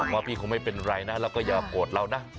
ว่าพี่คงไม่เป็นไรนะแล้วก็อย่าโกรธเรานะ